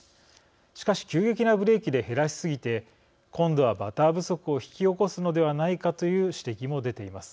しかし急激なブレーキで減らしすぎて今度はバター不足を引き起こすのではないかという指摘も出ています。